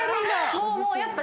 もうもうやっぱ